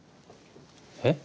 えっ？